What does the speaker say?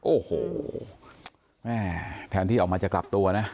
โอ้โหแม่แทนที่ออกมาจะกลับตัวนะ